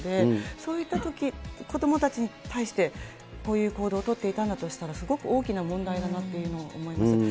そういったとき、子どもたちに対してこういう行動を取っていたんだとしたら、すごく大きな問題だなっていうのを思います。